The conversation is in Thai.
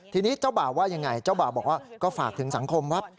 ทีนี้เจ้าบ่าวว่ายังไงเจ้าบ่าวบอกว่าก็ฝากถึงสังคมว่า